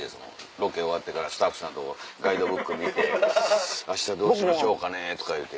ロケ終わってからスタッフさんとガイドブック見て「明日どうしましょうかね」とかいうて。